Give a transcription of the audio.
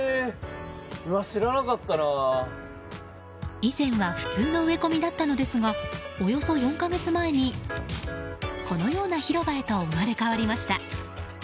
以前は普通の植え込みだったのですがおよそ４か月前にこのような広場へと生まれ変わりました。